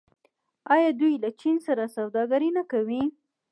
آیا دوی له چین سره سوداګري نه کوي؟